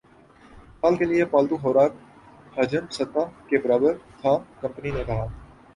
سال کے لیے پالتو خوراک حجم سطح کے برابر تھا کمپنی نے کہا